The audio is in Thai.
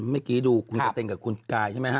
เมื่อกี้ดูคุณกะเต็งกับคุณกายใช่ไหมฮะ